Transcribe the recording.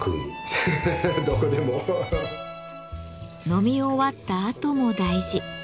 飲み終わったあとも大事。